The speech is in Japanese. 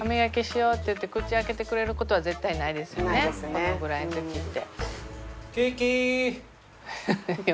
このぐらいの時って。